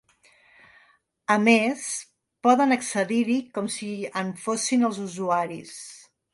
A més, poden accedir-hi com si en fossin els usuaris.